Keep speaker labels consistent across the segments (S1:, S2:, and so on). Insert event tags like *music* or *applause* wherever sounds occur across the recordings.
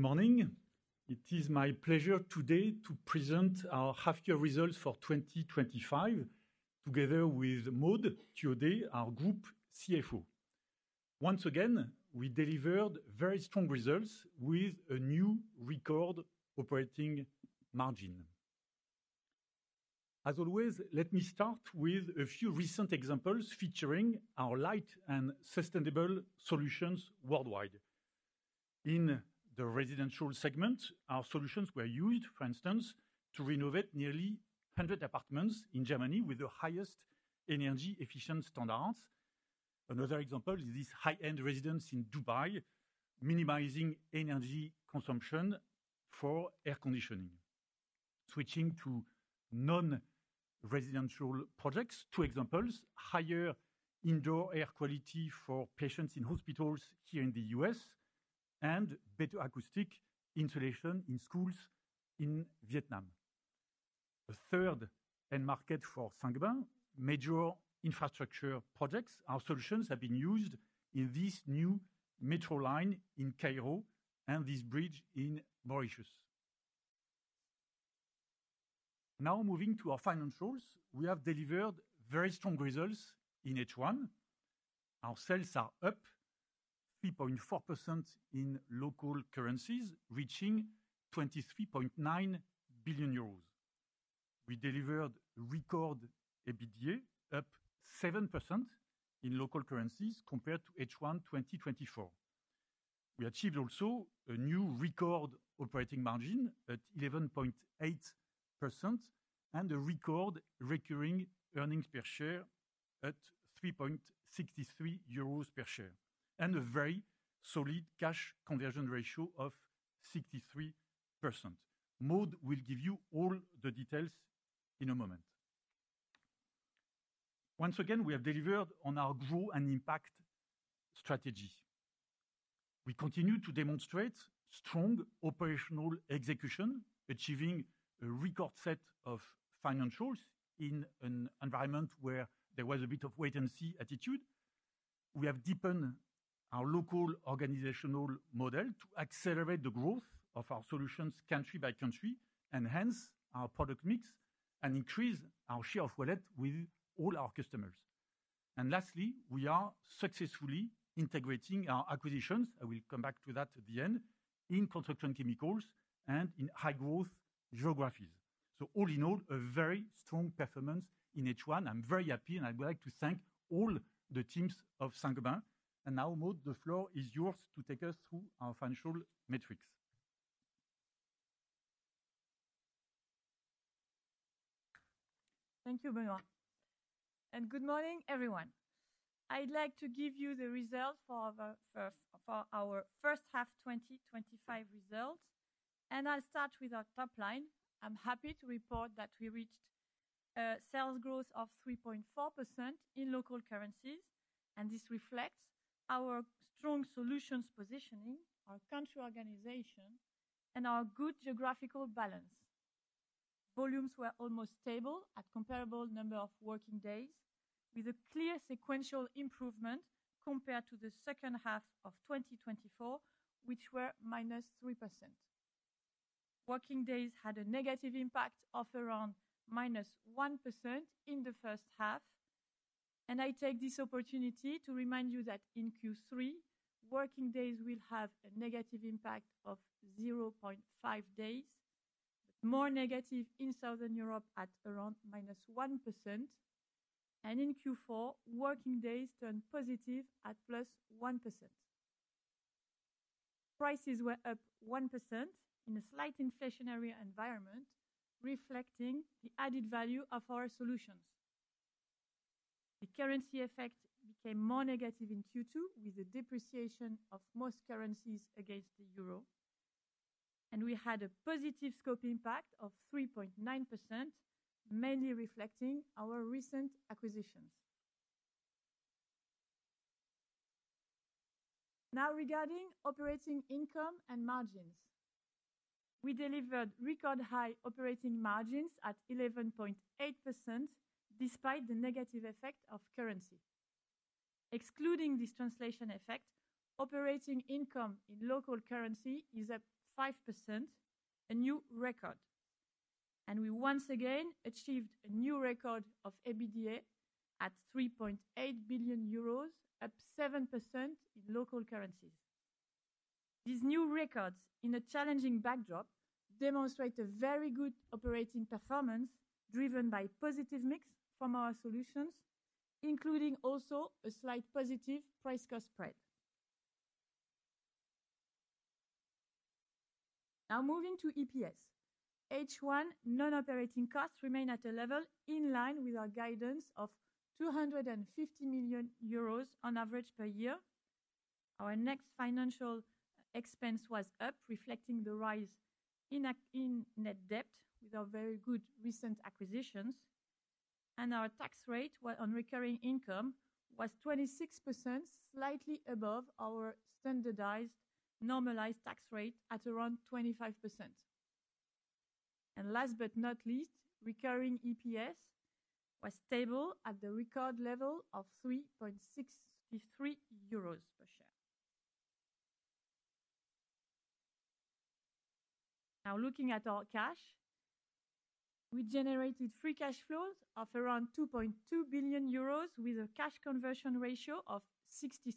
S1: Good morning. It is my pleasure today to present our half year results for 2025 together with Maud Thuaudet, our Group CFO. Once again, we delivered very strong results with a new record operating margin. As always, let me start with a few recent examples featuring our light and successful sustainable solutions worldwide. In the residential segment, our solutions were used for instance to renovate nearly 100 apartments in Germany with the highest energy efficient standards. Another example is this high-end residence in Dubai, minimizing energy consumption for air conditioning. Switching to non-residential projects, two examples: higher indoor air quality for patients in hospitals here in the U.S. and better acoustic insulation in schools in Vietnam. A third end market for Saint-Gobain, major infrastructure projects. Our solutions have been used in this new metro line in Cairo and this bridge in Mauritius. Now moving to our financials, we have delivered very strong results in H1. Our sales are up 3.4% in local currencies, reaching 23.9 billion euros. We delivered record EBITDA, up 7% in local currencies compared to H1 2024. We achieved also a new record operating margin at 11.8% and a record recurring EPS at 3.63 euros per share and a very solid cash conversion ratio of 63%. Maud will give you all the details in a moment. Once again, we have delivered on our growth and impact strategy. We continue to demonstrate strong operational execution, achieving a record set of financials in an environment where there was a bit of wait-and-see attitude. We have deepened our local organizational model to accelerate the growth of our solutions country by country and hence our product mix and increase our share of wallet with all our customers. Lastly, we are successfully integrating our acquisitions. I will come back to that at the end in construction chemicals and in high growth geographies. All in all, a very strong performance in H1. I'm very happy and I would like to thank all the teams of Saint-Gobain. Now Maud, the floor is yours to take us through our financial metrics.
S2: Thank you, Bernard, and good morning, everyone. I'd like to give you the results for our first half 2025 results, and I'll start with our top line. I'm happy to report that we reached sales growth of 3.4% in local currencies, and this reflects our strong solutions positioning, our country organization, and our good geographical balance. Volumes were almost stable at comparable number of working days, with a clear sequential improvement compared to the second half of 2024, which were -3%. Working days had a negative impact of around -1% in the first half. I take this opportunity to remind you that in Q3, working days will have a negative impact of 0.5 days, more negative in Southern Europe at around -1%. In Q4, working days turned positive at +1%. Prices were up 1% in a slight inflationary environment, reflecting the added value of our solutions. The currency effect became more negative in Q2 with the depreciation of most currencies against the Euro. We had a positive scope impact of 3.9%, mainly reflecting our recent acquisitions. Now, regarding operating income and margins, we delivered record-high operating margins at 11.88% despite the negative effect of currency. Excluding this translation effect, operating income in local currency is up 5%, a new record. We once again achieved a new record of EBITDA at 3.8 billion euros, up 7% in local currencies. These new records in a challenging backdrop demonstrate a very good operating performance driven by positive mix from our solutions, including also a slight positive price-cost spread. Now moving to EPS, H1 non-operating costs remain at a level in line with our guidance of 250 million euros on average per year. Our next financial expense was up, reflecting the rise in net debt with our very good recent acquisitions. Our tax rate on recurring income was 26%, slightly above our standardized normalized tax rate at around 25%. Last but not least, recurring EPS was stable at the record level of 3.63 euros per share. Now looking at our cash, we generated free cash flows of around 2.2 billion euros with a cash conversion ratio of 63%.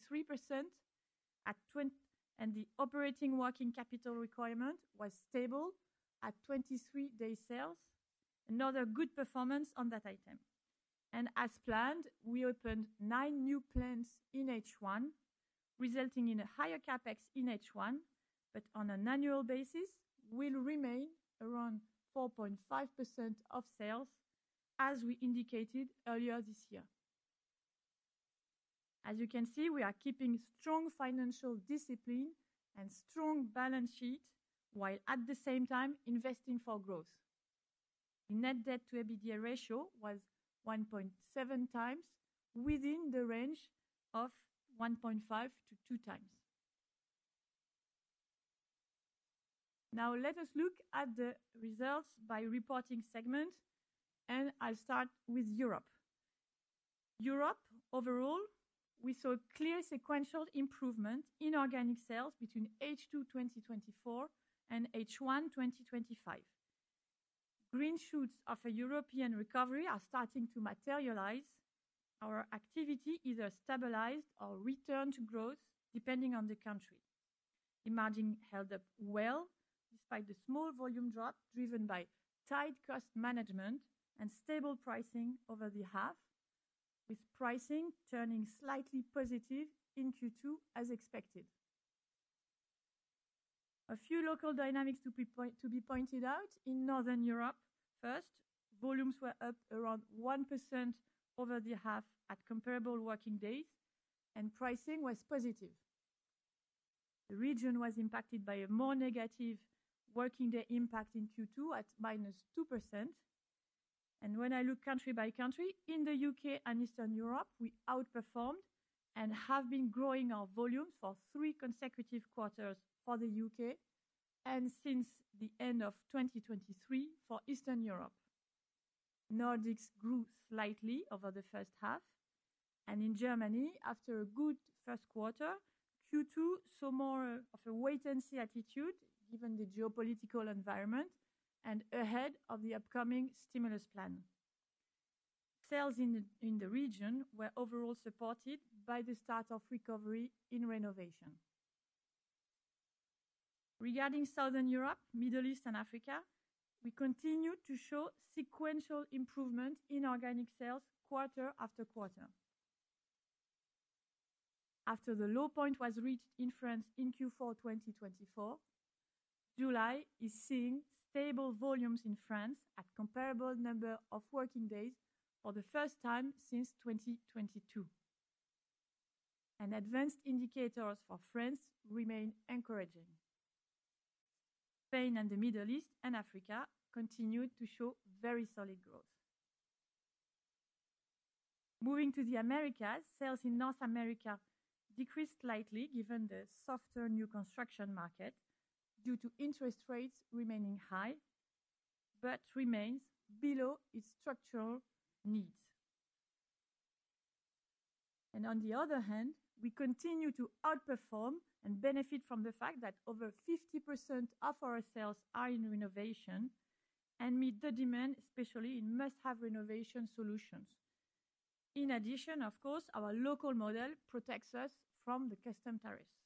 S2: The operating working capital requirement was stable at 23 days sales, another good performance on that item. As planned, we opened nine new plants in H1, resulting in a higher CapEx in H1, but on an annual basis will remain around 4.5% of sales, as we indicated earlier this year. As you can see, we are keeping strong financial discipline and strong balance sheet while at the same time investing for growth. The net debt to EBITDA ratio was 1.7 x, within the range of 1.5-2 x. Now let us look at the results by reporting segment and I'll start with Europe. Overall, we saw a clear sequential improvement in organic sales between H2 2024-H1 2025. Green shoots of a European recovery are starting to materialize. Our activity either stabilized or returned to growth depending on the country. Emerging held up well despite the small volume drop driven by tight cost management and stable pricing over the half, with pricing turning slightly positive in Q2 as expected. A few local dynamics to be pointed out: in Northern Europe, first, volumes were up around 1% over the half at comparable working days and pricing was positive. The region was impacted by a more negative working day impact in Q2 at -2%. When I look country by country, in the and Eastern Europe we outperformed and have been growing our volumes for three consecutive quarters for the U.K. and since the end of 2023 for Eastern Europe. Nordics grew slightly over the first half and in Germany, after a good first quarter, Q2 saw more of a wait-and-see attitude given the geopolitical environment and ahead of the upcoming stimulus plan. Sales in the region were overall supported by the start of recovery in renovation. Regarding Southern Europe, Middle East and Africa, we continue to show sequential improvement in organic sales quarter after quarter. After the low point was reached in France in Q4 2024, July is seeing stable volumes in France at comparable number of working days for the first time since 2022 and advanced indicators for France remain encouraging. Spain and the Middle East and Africa continued to show very solid growth. Moving to the Americas, sales in North America decreased slightly given the softer new construction market due to interest rates remaining high but remains below its structural needs. On the other hand, we continue to outperform and benefit from the fact that over 50% of our sales are in renovation and meet the demand especially in must-have renovation solutions. In addition, of course, our local model protects us from the custom tariffs.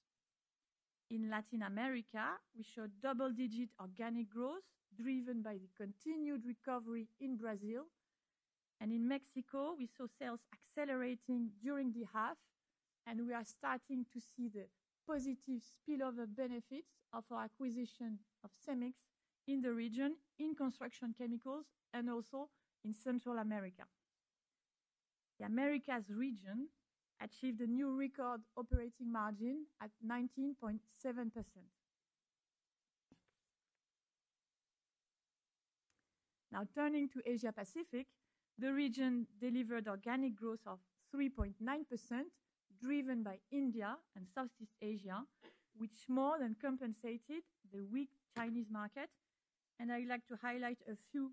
S2: In Latin America, we showed double-digit organic growth driven by the continued recovery. In Brazil and in Mexico we saw sales accelerating during the half, and we are starting to see the positive spillover benefits of our acquisition of Cemex in the region in construction, chemicals, and also in Central America. The Americas region achieved a new record operating margin at 19.7%. Now turning to Asia-Pacific, the region delivered organic growth of 3.9% driven by India and Southeast Asia, which more than compensated the weak Chinese market. I'd like to highlight a few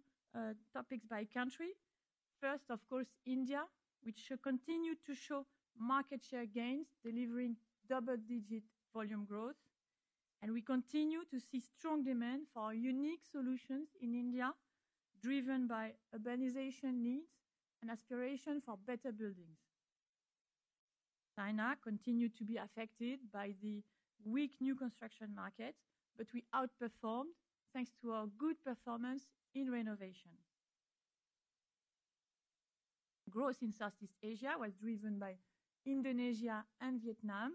S2: topics by country. First, of course, India, which should continue to show market share gains delivering double-digit volume growth, and we continue to see strong demand for unique solutions in India driven by urbanization needs and aspiration for better buildings. China continued to be affected by the weak new construction market, but we outperformed thanks to our good performance in renovation. Growth in Southeast Asia was driven by Indonesia and Vietnam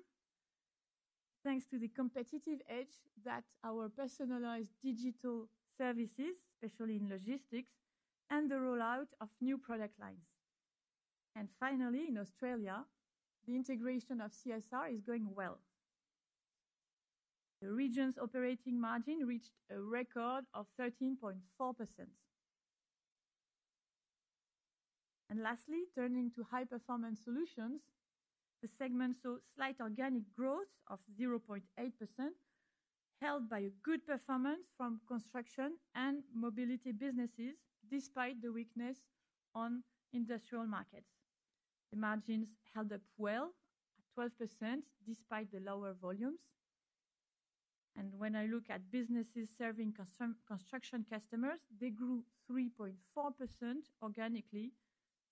S2: thanks to the competitive edge that our personalized digital services, especially in logistics and the rollout of new product lines, provided. Finally, in Australia, the integration of CSR is going well. The region's operating margin reached a record of 13.4%. Lastly, turning to High Performance Solutions, the segment saw slight organic growth of 0.8% helped by a good performance from construction and mobility businesses. Despite the weakness on industrial markets, the margins held up well at 12% despite the lower volumes. When I look at businesses serving construction customers, they grew 3.4% organically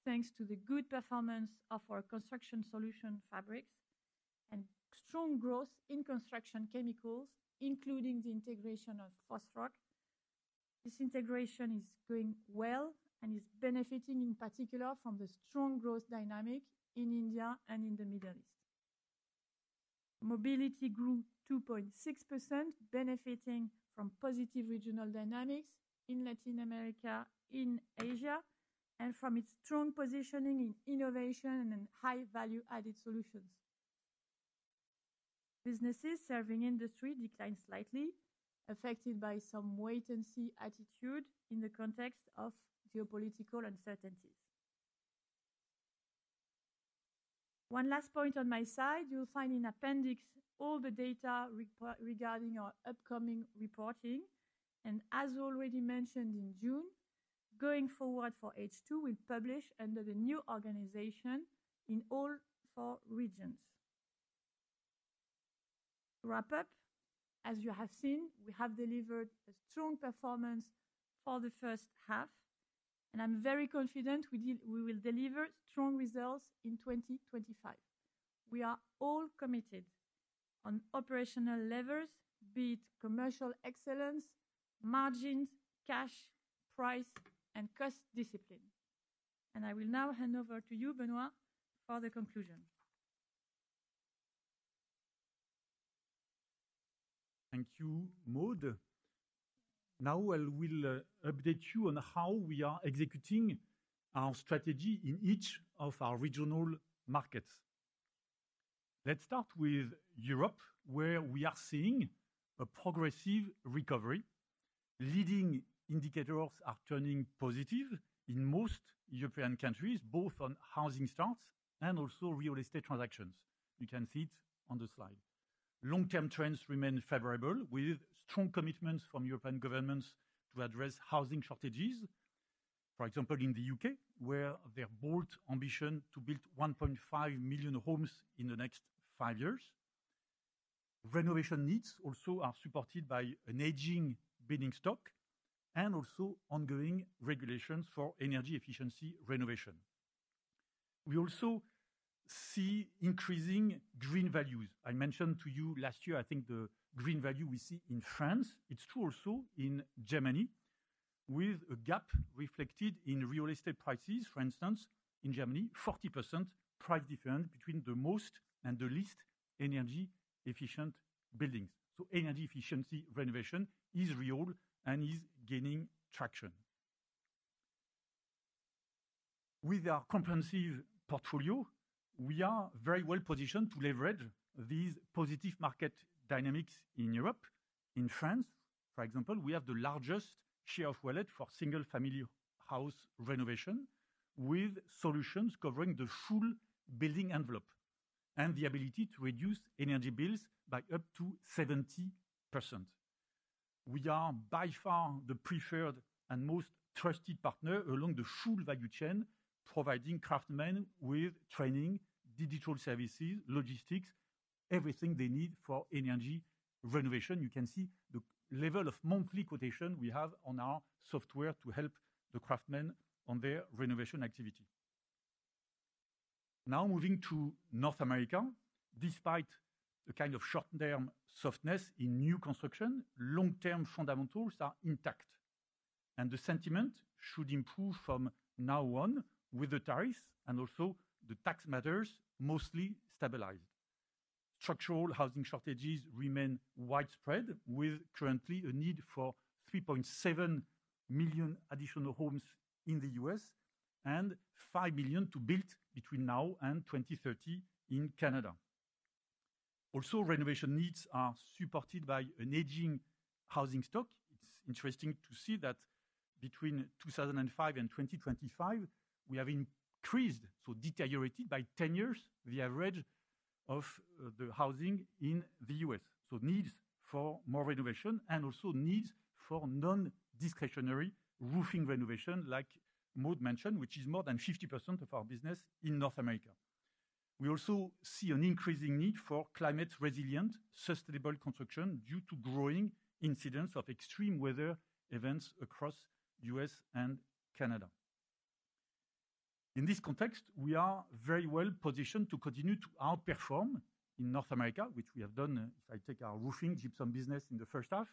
S2: thanks to the good performance of our construction solution fabrics and strong growth in construction chemicals, including the integration of Fosroc. This integration is going well and is benefiting in particular from the strong growth dynamic in India and in the Middle East. Mobility grew 2.6%, benefiting from positive regional dynamics in Latin America, in Asia, and from its strong positioning in innovation and high-value-added solutions. Businesses serving industry declined slightly, affected by some wait-and-see attitude in the context of geopolitical uncertainties. One last point on my side. You'll find in Appendix all the data regarding our upcoming reporting, and as already mentioned in June, going forward for H2 we will publish under the new organization in all four regions. To wrap up, as you have seen, we have delivered a strong performance for the first half, and I'm very confident we will deliver strong results in 2025. We are all committed on operational levers, be it commercial excellence, margins, cash, price and cost discipline. I will now hand over to you, Benoit, for the conclusion.
S1: Thank you Maud. Now I will update you on how we are executing our strategy in each of our regional markets. Let's start with Europe where we are seeing a progressive recovery. Leading indicators are turning positive in most European countries, both on housing starts and also real estate transactions. You can see it on the slide. Long term trends remain favorable with strong commitments from European governments to address housing shortages. For example, in the U.K. where their bold ambition to build 1.5 million homes in the next five years. Renovation needs also are supported by an aging building stock and also ongoing regulations for energy efficiency renovation. We also see increasing green values. I mentioned to you last year, I think the green value we see in France, it's true also in Germany, with a gap reflected in real estate prices. For instance, in Germany, 40% price difference between the most and the least energy efficient buildings. Energy efficiency renovation is real and is gaining traction with our comprehensive portfolio. We are very well-positioned to leverage these positive market dynamics in Europe. In France for example, we have the largest share of wallet for single family house renovation, with solutions covering the full building envelope and the ability to reduce energy bills by up to 70%. We are by far the preferred and most trusted partner along the full value chain, providing craftsmen with training, digital services, logistics, everything they need for energy renovation. You can see the level of monthly quotation we have on our software to help the craftsmen on their renovation activity. Now moving to North America, despite the kind of short-term softness in new construction, long-term fundamentals are intact and the sentiment should improve from now on. With the tariffs and also the tax matters mostly stabilized, structural housing shortages remain widespread with currently a need for 3.7 million additional homes in the U.S. and 5 million to build between now and 2030 in Canada. Also, renovation needs are supported by an aging housing stock. It's interesting to see that between 2005-2025 we have increased, so deteriorated by 10 years, the average of the housing in the U.S., so needs for more renovation and also needs for non-discretionary roofing renovation, like Maud mentioned, which is more than 50% of our business in North America. We also see an increasing need for climate-resilient sustainable construction due to growing incidents of extreme weather events across the U.S. and Canada. In this context, we are very well positioned to continue to outperform in North America, which we have done. If I take our roofing gypsum business in the first half,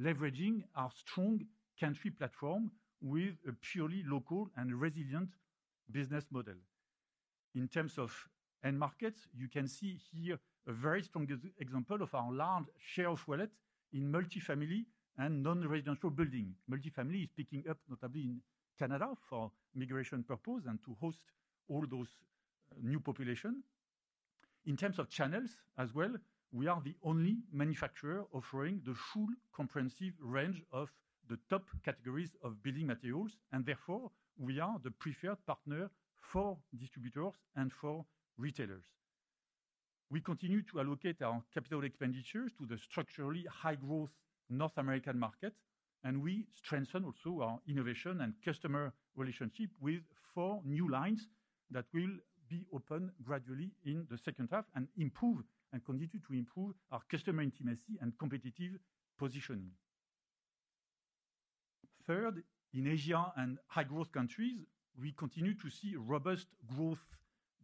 S1: leveraging our strong country platform with a purely local and resilient business model in terms of end markets, you can see here a very strong example of our large share of wallet in multifamily and non-residential building. Multifamily is picking up notably in Canada for migration purposes and to host all those new population. In terms of channels as well, we are the only manufacturer offering the full comprehensive range of the top categories of building materials, and therefore we are the preferred partner for distributors and for retailers. We continue to allocate our capital expenditures to the structurally high-growth North American market, and we strengthen also our innovation and customer relationship with four new lines that will be open gradually in the second half and improve and continue to improve our customer intimacy and competitive positioning. Third, in Asia and high-growth countries, we continue to see robust growth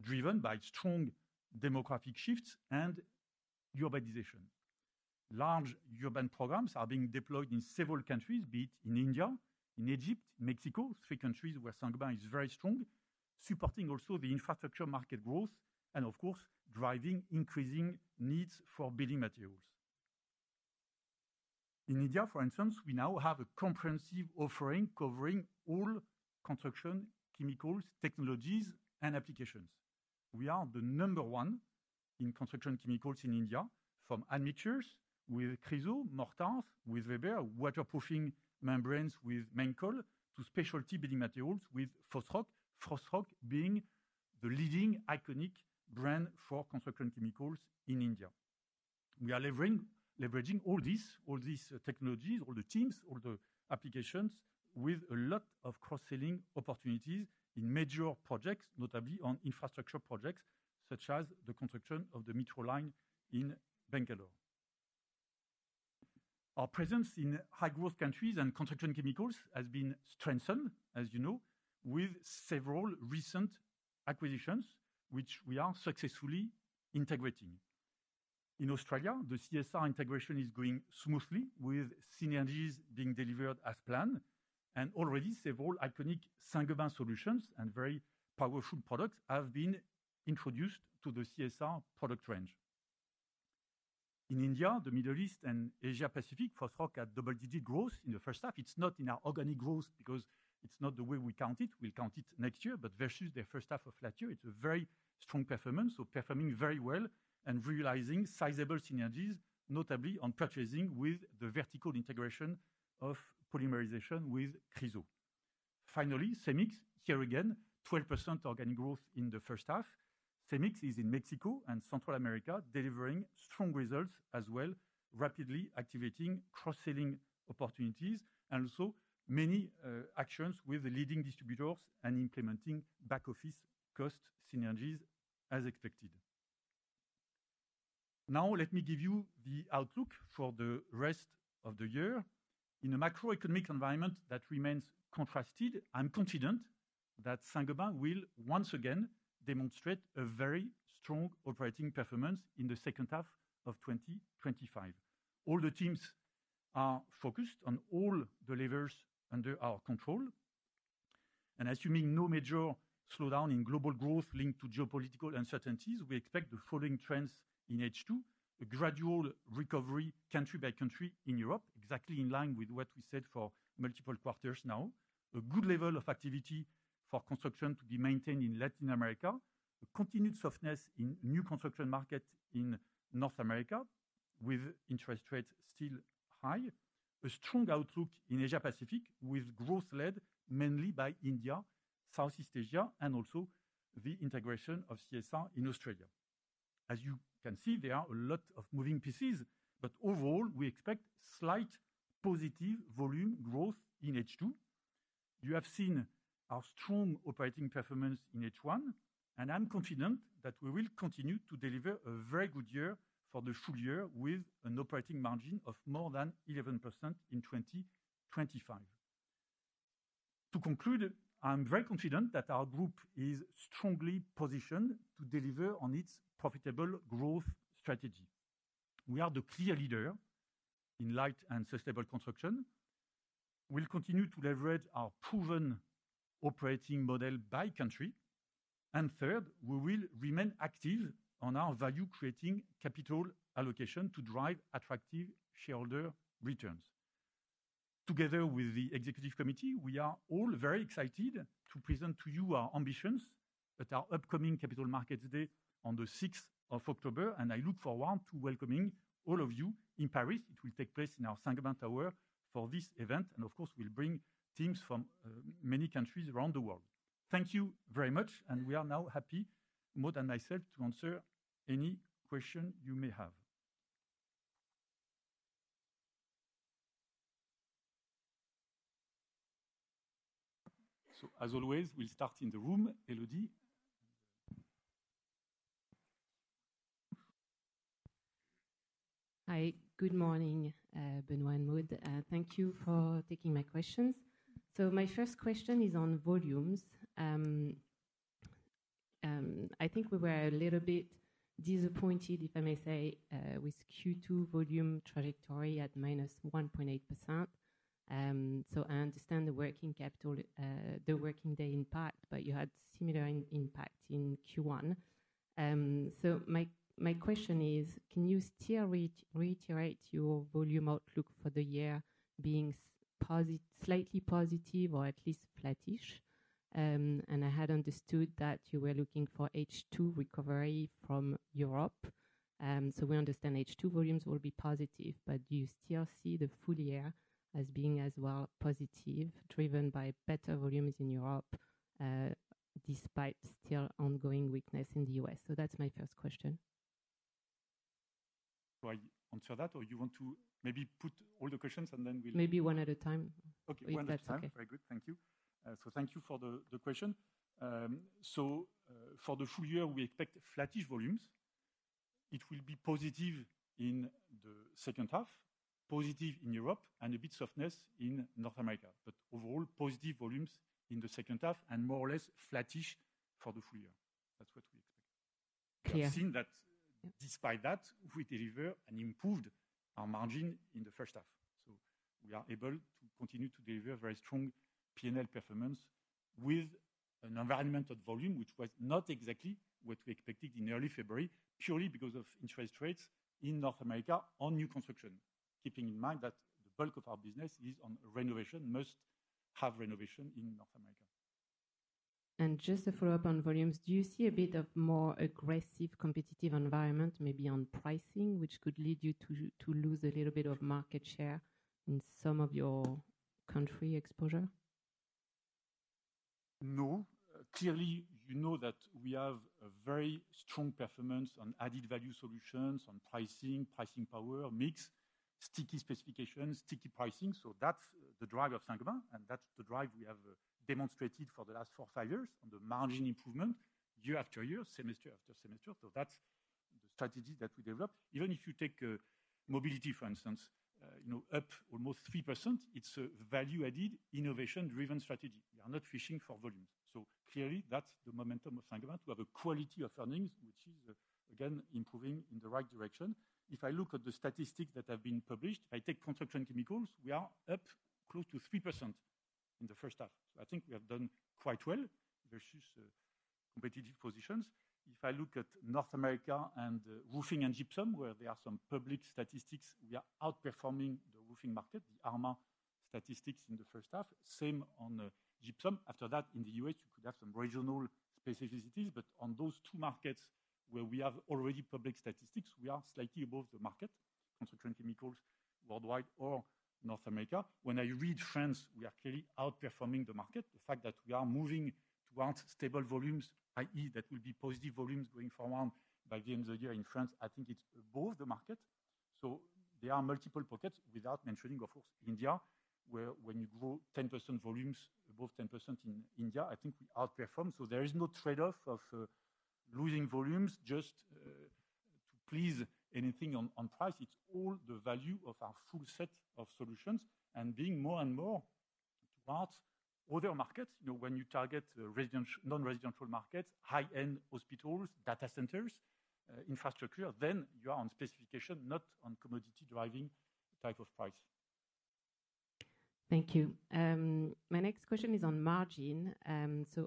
S1: driven by strong demographic shifts and urbanization. Large urban programs are being deployed in several countries, be it in India, in Egypt, Mexico, three countries where Saint-Gobain is very strong, supporting also the infrastructure market growth, and of course driving increasing needs for building materials. In India, for instance, we now have a comprehensive offering covering all construction chemicals, technologies, and applications. We are the number one in construction chemicals in India from admixtures with Chryso, mortars with Weber, waterproofing membranes with main to specialty building materials with Fosroc, Fosroc being the leading iconic brand for construction chemicals in India. We are leveraging all this, all these technologies, all the teams, all the applications with a lot of cross-selling opportunities in major projects, notably on infrastructure projects such as the construction of the Metro line in Bangalore. Our presence in high-growth countries and construction chemicals has been strengthened, as you know, with several recent acquisitions, which we are successfully integrating. In Australia, the CSR integration is going smoothly with synergies being delivered as planned. Already several iconic Saint-Gobain solutions and very powerful products have been introduced to the CSR product range. i=In India, the Middle East, and Asia-Pacific. Fosroc had double-digit growth in the first half. It's not in our organic growth because it's not the way we count it. We'll count it next year, but versus the first half of last year, it's a very strong performance. Performing very well and realizing sizable synergies, notably on purchasing with the vertical integration of polymerization with Chryso. Finally, Cemex here again, 12% organic growth in the first half. Cemex is in Mexico and Central America delivering strong results as well, rapidly activating cross-selling opportunities and also many actions with the leading distributors, and implementing back office cost synergies as expected. Now, let me give you the outlook for the rest of the year. In a macroeconomic environment that remains contrasted, I'm confident that Saint-Gobain will once again demonstrate a very strong operating performance in the second half of 2025. All the teams are focused on all the levers under our control and, assuming no major slowdown in global growth linked to geopolitical uncertainties, we expect the following trends in H2. A gradual recovery country by country in Europe, exactly in line with what we said for multiple quarters now. A good level of activity for construction to be maintained in Latin America. A continued softness in new construction market in North America with interest rates still high. A strong outlook in Asia-Pacific with growth led mainly by India, Southeast Asia, and also the integration of CSR in Australia. As you can see, there are a lot of moving pieces, but overall we expect slight positive volume growth in H2. You have seen our strong operating performance in H1 and I'm confident that we will continue to deliver a very good year for the full year with an operating margin of more than 11% in 2025. To conclude, I'm very confident that our group is strongly positioned to deliver on its profitable growth strategy. We are the clear leader in light and sustainable construction. We'll continue to leverage our proven operating model by country. We will remain active on our value-creating capital allocation to drive attractive shareholder returns. Together with the Executive Committee, we are all very excited to present to you our ambitions at our upcoming Capital Markets Day on the 6th of October. I look forward to welcoming all of you in Paris. It will take place in our Saint-Gobain Tower for this event, and of course we'll bring teams from many countries around the world. Thank you very much. We are now happy, Maud and myself, to answer any question you may have. As always, we'll start in the room. Elodie.
S3: Hi, good morning Benoit [Bazin]. Thank you for taking my questions. My first question is on volumes. I think we were a little bit disappointed, if I may say, with Q2 volume trajectory at -1.8%. I understand the working capital, the working day impact, but you had similar impact in Q1. My question is, can you still reiterate your volume outlook for the year being slightly positive or at least flattish? I had understood that you were looking for H2 recovery from Europe. We understand H2 volumes will be positive, but you still see the full year as being as well positive, driven by better volumes in Europe despite still ongoing weakness in the U.S. That's my first question.
S1: Answer that or you want to maybe put all the questions and then we'll.
S3: Maybe one at a time.
S1: Okay, very good. Thank you. Thank you for the question. For the full year we expect flattish volumes. It will be positive in the second half, positive in Europe and a bit softness in North America. Overall, positive volumes in the second half and more or less flattish for the full year. That's what we expect. *crosstalk* Despite that, we deliver an improved margin in the first half. We are able to continue to deliver very strong P&L performance with an environmental volume which was not exactly what we expected in early February purely because of interest rates in North America on new construction. Keeping in mind that the bulk of our business is on renovation. Must have renovation in North America.
S3: Just a follow up on volumes, do you see a bit of more aggressive competitive environment, maybe on pricing, which could lead you to lose a little bit of market share in some of your country exposure?
S1: No. Clearly, you know that we have a very strong performance on added value solutions, on pricing, pricing power mix, sticky specifications, sticky pricing. That's the drive of Saint-Gobain and that's the drive we have demonstrated for the last four or five years on the margin improvement year after year, semester after semester. That's the strategy that we developed even if you take mobility for instance, you know, up almost 3%. It's a value-added innovation-driven strategy. You are not fishing for volumes. Clearly, that's the momentum of Saint-Gobain. We have a quality of earnings which is again improving in the right direction. If I look at the statistics that have been published, I take construction chemicals, we are up close to 3% in the first half. I think we have done quite well versus competitive positions. If I look at North America and roofing and gypsum where there are some public statistics, we are outperforming the roofing market, the ARMA statistics in the first half, same on gypsum after that. In the U.S. you could have some regional specificities but on those two markets where we have already public statistics we are slightly above the market. Construction chemicals worldwide or North America. When I read France, we are clearly outperforming the market. The fact that we are moving towards stable volumes, that will be positive volumes going forward. By the end of the year in France I think it's above the market. There are multiple pockets. Without mentioning of course India, where when you grow 10% volumes, above 10% in India, I think we outperform. There is no trade-off of losing volumes just to please anything on price. It's all the value of our full set of solutions and being more and more towards other markets. When you target non-residential markets, high end hospitals, data centers, infrastructure, then you are on specification, not on commodity driving type of price.
S3: Thank you. My next question is on margin.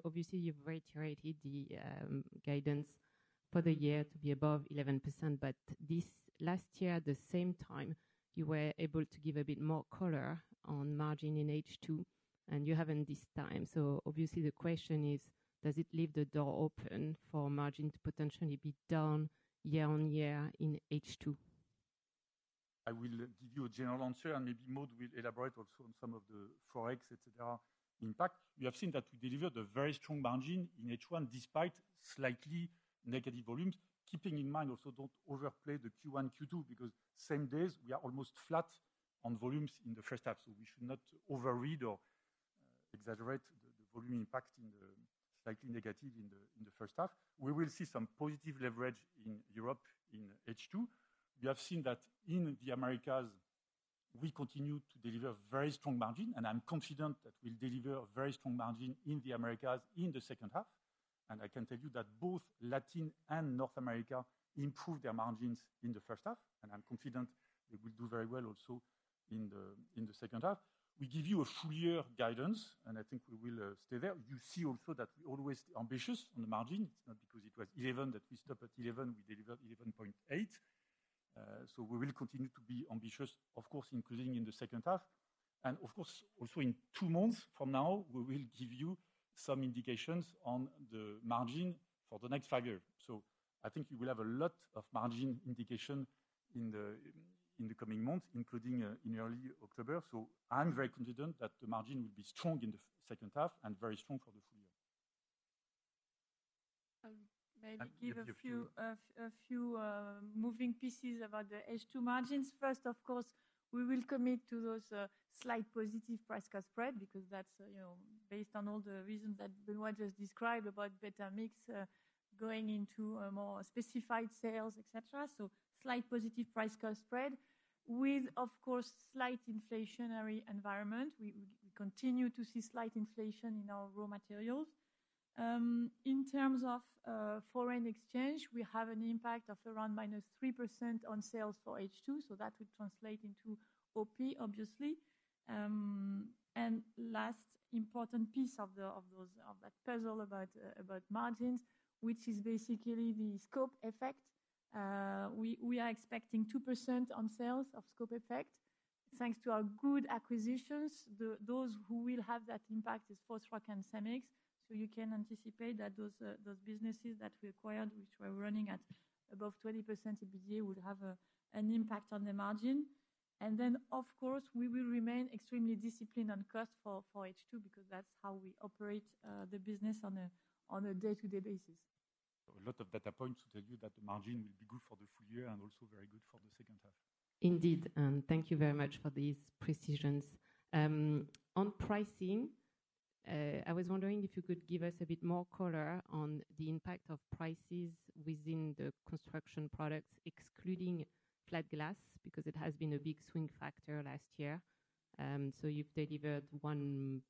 S3: Obviously you've reiterated the guidance for the year to be above 11%, but this last year at the same time you were able to give a bit more color on margin in H2 and you haven't this time. The question is does it leave the door open for margin to potentially be down year on year in H2?
S1: I will give you a general answer and maybe Maud will elaborate also on some of the forex, etc. impact. You have seen that we delivered a very strong margin in H1 despite slightly negative volumes. Keeping in mind also, don't overplay the Q1-Q2 because same days we are almost flat on volumes in the first half. We should not overread or exaggerate the volume impact in slightly negative in the first half. We will see some positive leverage in Europe. In H2, you have seen that in the Americas we continue to deliver very strong margin, and I'm confident that we'll deliver a very strong margin in the Americas in the second half. I can tell you that both Latin and North America improved their margins in the first half, and I'm confident they will do very well also in the second half. We give you a full year guidance, and I think we will stay there. You see also that we always ambitious on the margin. It's not because it was 11 that we stopped at 11, we delivered 11.8. We will continue to be ambitious, of course, including in the second half and of course also in two months from now. We will give you some indications on the margin for the next five years. I think you will have a lot of margin indication in the coming months, including in early October. I'm very confident that the margin will be strong in the second half and very strong for the full year.
S2: Maybe *crosstalk* give a few moving pieces about the H2 margins. First, of course we will commit to those slight positive price-cost spread because that's based on all the reasons that Benoit just described about beta mix going into more specified sales, et cetera. Slight positive price-cost spread with, of course, slight inflationary environment. We continue to see slight inflation in our raw materials. In terms of foreign exchange, we have an impact of around -3% on sales for H2. That would translate into OP obviously. Last important piece of that puzzle about margins, which is basically the scope effect. We are expecting 2% on sales of scope effect thanks to our good acquisitions. Those who will have that impact are Fosroc and Cemex. You can anticipate that those businesses that we acquired, which were running at above 20% EBITDA, would have an impact on the margin. Of course, we will remain extremely disciplined on cost for H2 because that's how we operate the business on a day-to-day basis.
S1: A lot of data points to tell you that the margin will be good for the full year and also very.
S3: Good for the second half indeed. Thank you very much for these precisions on pricing. I was wondering if you could give us a bit more color on the impact of prices within the construction products, excluding flat glass, because it has been a big swing factor last year. You've delivered 1%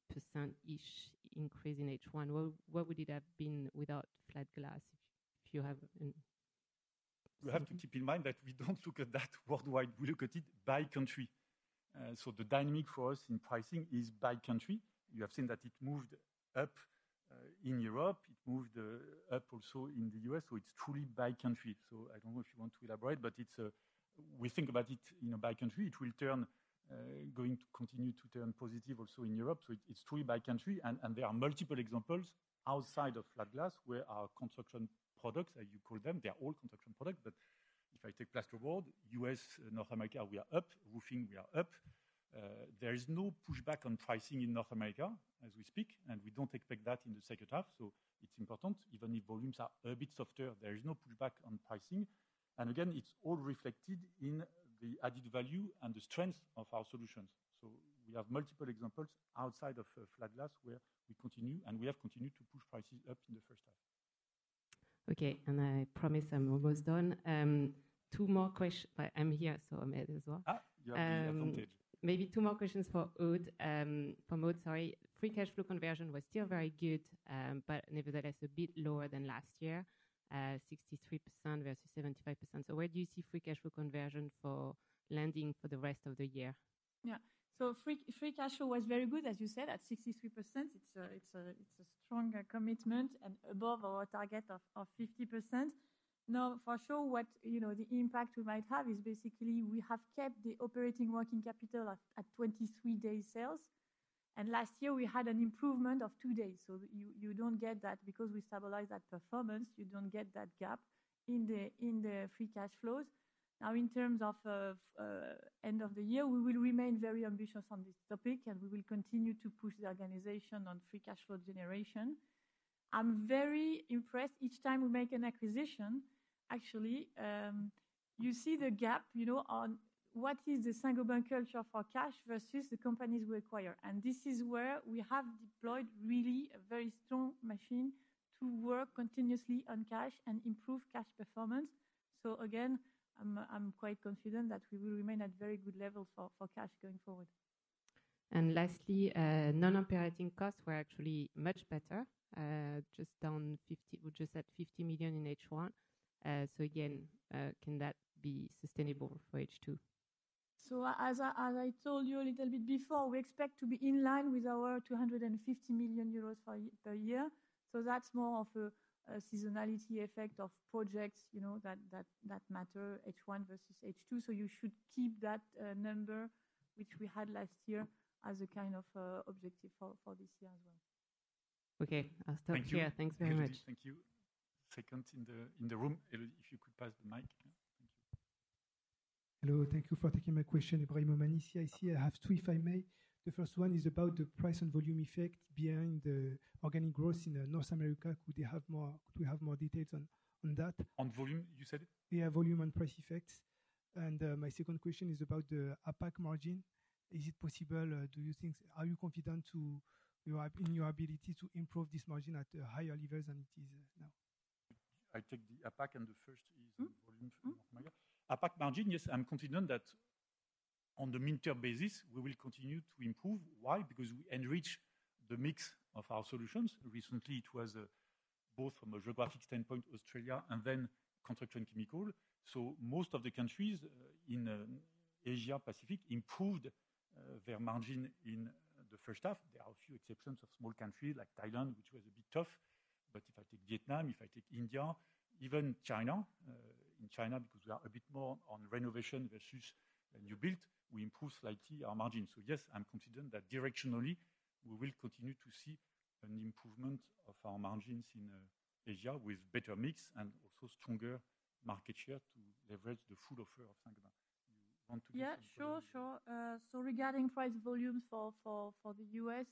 S3: ish increase in H1. What would it have been without flat glass?
S1: You have to keep in mind that we don't look at that worldwide, we look at it by country. The dynamic for us in pricing is by country. You have seen that it moved up in Europe, it moved up also in the U.S., so it's truly by country. We think about it by country, it will turn. Going to continue to turn positive also in Europe. It's true by country. There are multiple examples outside of flat glass where our construction products, as you call them, they're all construction products. If I take plasterboard U.S., North America, we are up. Roofing, we are up. There is no pushback on pricing in North America as we speak, and we don't expect that in the second half. It's important, even if volumes are a bit softer, there is no pushback on pricing. It's all reflected in the added value and the strength of our solutions. We have multiple examples outside of flat glass where we continue and we have continued to push prices up in the first half.
S3: Okay. I promise I'm almost done. Two more questions. I'm here so I might as well. Maybe two more questions for Maud. Sorry. Free cash flow conversion was still very good, but nevertheless a bit lower than last year. A 63% versus 75%. Where do you see free cash flow conversion for [landing] for the rest of the year?
S2: Yeah, so free cash flow was very good, as you said. At 63% it's a strong commitment and above our target of 50%. Now for sure what the impact we might have is, basically we have kept the operating working capital at 23 days sales and last year we had an improvement of two days. You don't get that because we stabilize that performance, you don't get that gap in the free cash flows. In terms of end of the year, we will remain very ambitious on this topic and we will continue to push the organization on free cash flow generation. I'm very impressed. Each time we make an acquisition, actually you see the gap on what is the Saint-Gobain culture for cash versus the companies we acquire. This is where we have deployed really a very strong machine to work continuously on cash and improve cash performance. Again, I'm quite confident that we will remain at very good levels for cash going forward.
S3: Lastly, non-operating costs were actually much better, just down $50 million. We just had $50 million in H1. Can that be sustainable for H2?
S2: As I told you a little bit before, we expect to be in line with our 250 million euros per year. That's more of a seasonality effect of projects, you know, that matter H1 versus H2. You should keep that number which we had last year as a kind of objective for this year as well.
S3: Okay, I'll stop here. *crosstalk* Thanks very much.
S1: Thank you. Second in the room, if you could pass the mic.
S3: Thank you. *crosstalk*
S4: Hello. Thank you for taking my question. I see I have two, if I may. The first one is about the price and volume effect behind the organic growth in North America. Could we have more details on that? On volume? You said it. Yeah. Volume and price effects. My second question is about the APAC margin. Is it possible, do you think, are you confident to your ability to improve this margin at higher levels than it is now?
S1: I take the APAC and the first is volume. APAC margin. Yes, I'm confident that on the midterm basis we will continue to improve. Why? Because we enrich the mix of our solutions. Recently it was both from a geographic standpoint, Australia and then construction chemicals. So. Most of the countries in Asia-Pacific improved their margin in the first half. There are a few exceptions of a small country like Thailand, which was a bit tough. If I take Vietnam, if I take India, even China—in China, because we are a bit more on renovation versus new build, we improved slightly our margin. Yes, I'm confident that directionally we will continue to see an improvement of our margins in Asia with better mix and also stronger market share to leverage the full offer of Saint-Gobain.
S2: Yeah, sure, sure. Regarding price volumes for the U.S.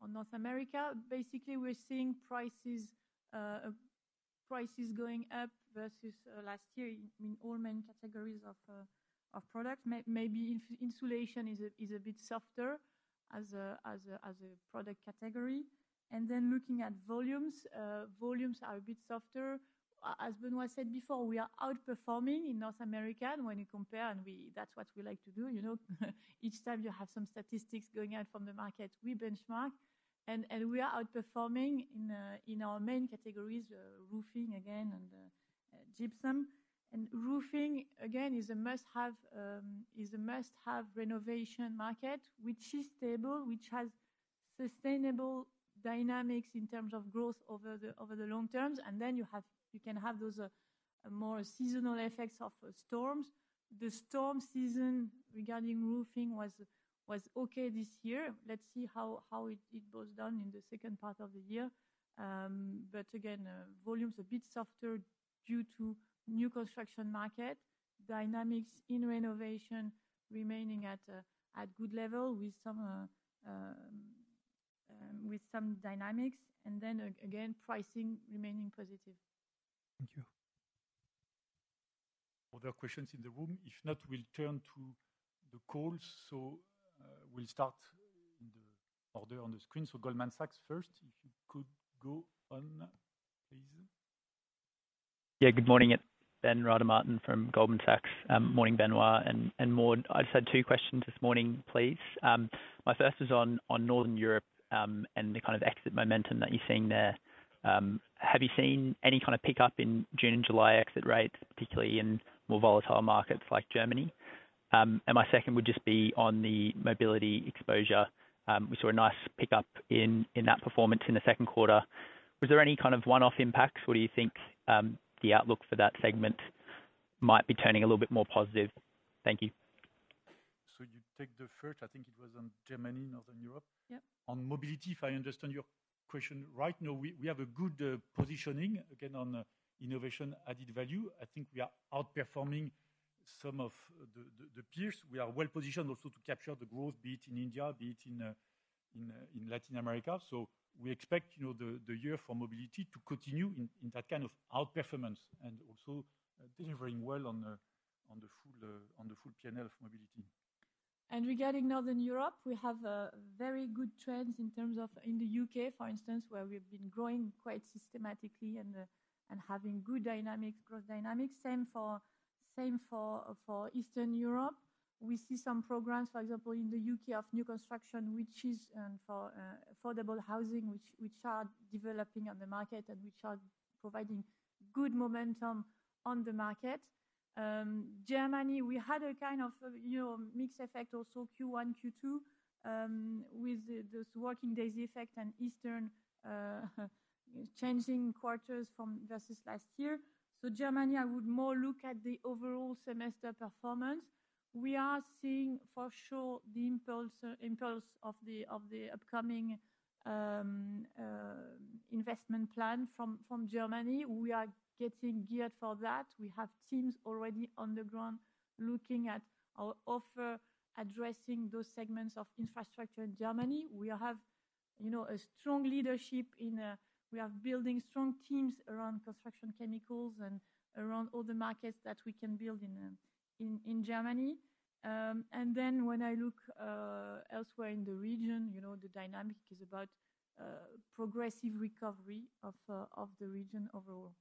S2: or North America, basically we're seeing prices going up versus last year in all main categories of products. Maybe insulation is a bit softer as a product category. Looking at volumes, volumes are a bit softer. As Benoit said before, we are outperforming in North America. When you compare, and that's what we like to do each time you have some statistics going out from the market, we benchmark and we are outperforming in our main categories, roofing again and gypsum. Roofing again is a must-have renovation market, which is stable, which has sustainable dynamics in terms of growth over the long term. You can have those more seasonal effects of storms. The storm season regarding roofing was okay this year. Let's see how it boils down in the second part of the year. Volumes are a bit softer due to new construction. Market dynamics in renovation remain at a good level with some dynamics, and pricing remains positive.
S4: Thank you.
S1: Other questions in the room? If not, we'll turn to the calls. We'll start in the order on the screen. Goldman Sachs first, if you could go on. Yeah.
S5: Good morning, Ben Rada Martin from Goldman Sachs. Morning, Benoit and Maud. I just had two questions this morning, please. My first is on Northern Europe and the kind of exit momentum that you're seeing there. Have you seen any kind of pick up in June-July exit rates, particularly in more volatile markets like Germany? My second would just be on the mobility exposure. We saw a nice pickup in that performance in the second quarter. Was there any kind of one-off impacts? What do you think the outlook for that segment might be, turning a little bit more positive? Thank you.
S1: I think it was in Germany, Northern Europe on mobility. If I understand your question, right now we have a good positioning again on innovation added value. I think we are outperforming some of the peers. We are well positioned also to capture the growth, be it in India, be it in Latin America. We expect the year for mobility to continue in that kind of outperformance and also delivering well on the full PNL of mobility.
S2: Regarding Northern Europe, we have very good trends in the U.K., for instance, where we've been growing quite systematically and having good growth dynamics. Same for Eastern Europe. We see some programs, for example in the U.K., of new construction for affordable housing which are developing on the market and providing good momentum on the market. Germany had a kind of mixed effect in Q1-Q2 with this working days effect and changing quarters versus last year. Germany, I would more look at the overall semester performance. We are seeing the impulse of the upcoming investment plan from Germany. We are getting geared for that. We have teams already on the ground looking at our offer addressing those segments of infrastructure. In Germany, we have a strong leadership. We are building strong teams around construction chemicals and around all the markets that we can build in Germany. When I look elsewhere in the region, the dynamic is about progressive recovery of the region overall.